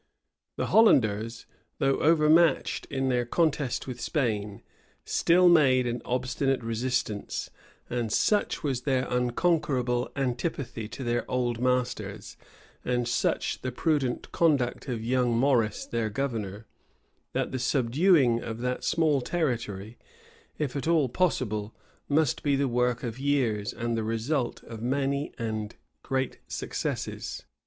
The Hollanders, though overmatched in their contest with Spain, still made an obstinate resistance; and such was their unconquerable antipathy to their old masters, and such the prudent conduct of young Maurice, their governor, that the subduing of that small territory, if at all possible, must be the work of years, and the result of many and great successes.